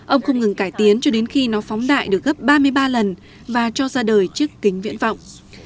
ông không ngừng cải tiến cho đến khi nó phóng đại được gấp ba mươi ba lần và cho ra đời chiếc kính viễn vọng